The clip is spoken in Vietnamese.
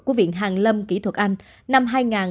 của viện hàng lâm kỹ thuật anh năm hai nghìn hai mươi